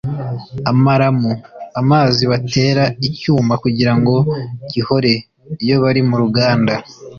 amaramu: amazi batera icyuma kugira ngo gihore iyo bari mu ruganda